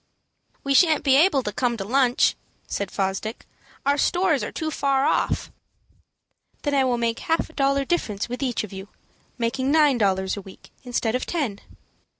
"We shan't be able to come to lunch," said Fosdick. "Our stores are too far off." "Then I will make half a dollar difference with each of you, making nine dollars a week instead of ten."